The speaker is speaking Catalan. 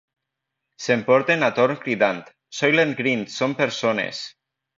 S'emporten a Thorn cridant: Soylent Green són persones!